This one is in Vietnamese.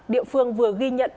địa phương vừa ghi nhận